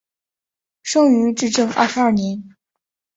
生于至正二十二年。